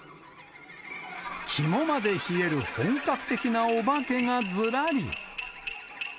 肝まで冷える本格的なお化けがずらり。